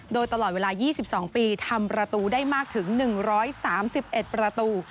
โดยตลอดเวลา๒๒ปีทำประตูได้มากถึง๑๓๑ประตู